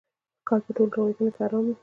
ښکار په ټولو روایاتو کې حرام وای